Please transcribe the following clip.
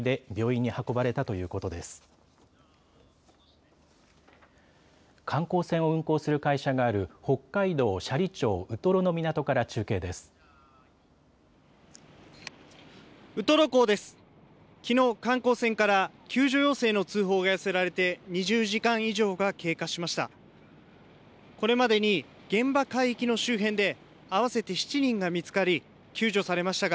きのう観光船から救助要請の通報が寄せられて２０時間以上が経過しました。